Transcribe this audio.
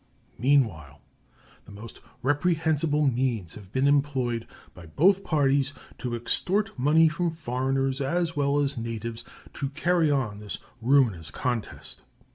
Meanwhile the most reprehensible means have been employed by both parties to extort money from foreigners, as well as natives, to carry on this ruinous contest.